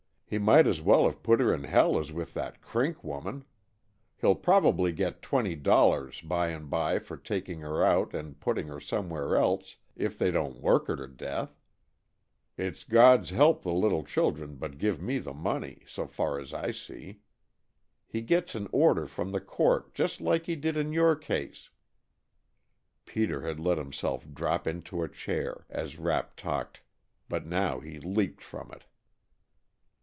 He might as well have put her in hell as with that Crink woman. He'll probably get twenty dollars by and by for taking her out and putting her somewheres else, if they don't work her to death. It's 'God help the little children but give me the money,' so far as I see. He gets an order from the court, just like he did in your case " Peter had let himself drop into a chair as Rapp talked but now he leaped from it.